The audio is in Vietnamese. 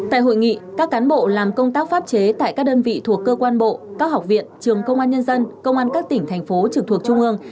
tại hội nghị các cán bộ làm công tác pháp chế tại các đơn vị thuộc cơ quan bộ các học viện trường công an nhân dân công an các tỉnh thành phố trực thuộc trung ương